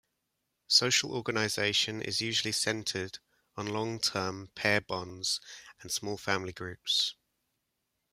Social organisation is usually centered on long-term pair-bonds and small family groups.